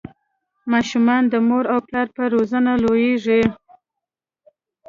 ماشومان د مور او پلار په روزنه لویږي.